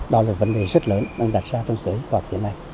đó là vấn đề rất lớn